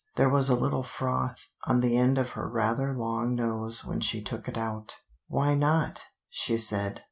There was a little froth on the end of her rather long nose when she took it out. "Why not?" she said.